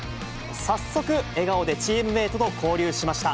早速、笑顔でチームメートと交流しました。